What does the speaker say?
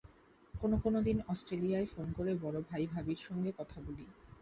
কোনো কোনো দিন অস্ট্রেলিয়ায় ফোন করে বড়ভাই ভাবির সঙ্গে কথা বলি।